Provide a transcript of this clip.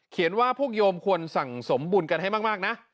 ว่าพวกโยมควรสั่งสมบุญกันให้มากนะ